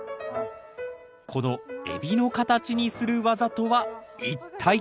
この海老の形にする技とは一体？